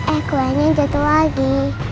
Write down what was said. eh kuenya jatuh lagi